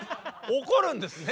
怒るんですね。